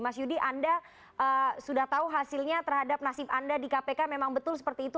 mas yudi anda sudah tahu hasilnya terhadap nasib anda di kpk memang betul seperti itu